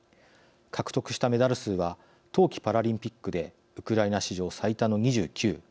獲得したメダル数は冬季パラリンピックでウクライナ史上最多の２９。